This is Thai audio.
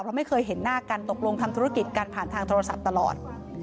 เพราะไม่เคยเห็นหน้ากันตกลงทำธุรกิจกันผ่านทางโทรศัพท์ตลอด